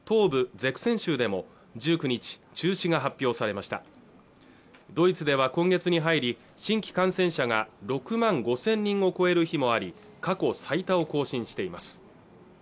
ザクセン州でも１９日中止が発表されましたドイツでは今月に入り新規感染者が６万５０００人を超える日もあり過去最多を更新しています